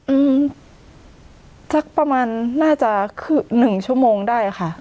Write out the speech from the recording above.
อืมสักประมาณน่าจะคือหนึ่งชั่วโมงได้ค่ะ